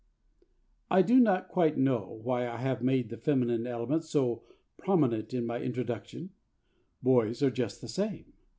I do not quite know why I have made the feminine element so prominent in my introduction. Boys are just the same.